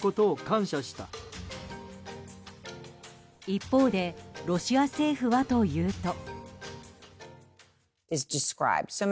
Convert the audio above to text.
一方でロシア政府はというと。